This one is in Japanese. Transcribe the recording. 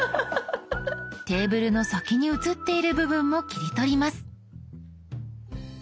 テーブルの先に写っている部分も切り取ります。